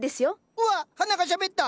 うわっ花がしゃべった！